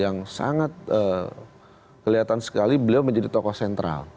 yang sangat kelihatan sekali beliau menjadi tokoh sentral